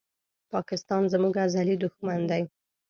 پاکستان زموږ ازلي دښمن دی